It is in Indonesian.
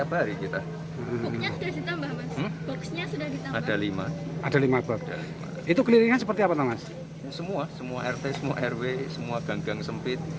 ada lima ada lima itu kelilingan seperti apa semua semua rt semua rw semua ganggang sempit